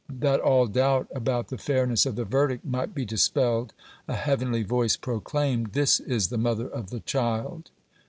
That all doubt about the fairness of the verdict might be dispelled, a heavenly voice proclaimed: "This is the mother of the child."